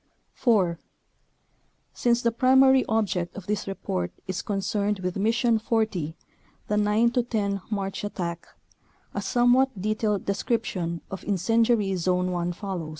4. Since the primary object of this report is concerned with Mission 40, the 9 10 March at tack, a somewhat detailed description of Incen diary Zone 1 follows.